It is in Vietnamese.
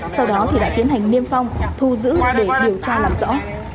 sau đó thì đã tiến hành niêm phong thu giữ để điều tra làm rõ